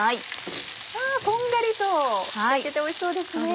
こんがりと焼けておいしそうですね。